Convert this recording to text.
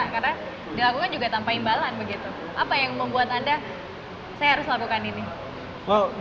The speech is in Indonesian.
karena dilakukan juga tanpa imbalan apa yang membuat anda saya harus lakukan ini